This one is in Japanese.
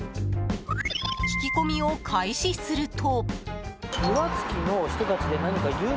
聞き込みを開始すると。